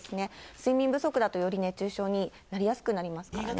睡眠不足だと、より熱中症になりやすくなりますからね。